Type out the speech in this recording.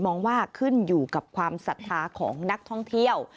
มองว่าขึ้นอยู่กับความศรัทธาของนักท่องเที่ยว